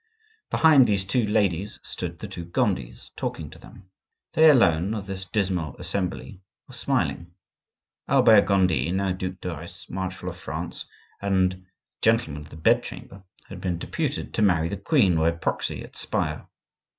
Behind these two ladies stood the two Gondis, talking to them. They alone of this dismal assembly were smiling. Albert Gondi, now Duc de Retz, marshal of France, and gentleman of the bed chamber, had been deputed to marry the queen by proxy at Spire.